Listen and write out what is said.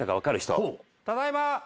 ただいま。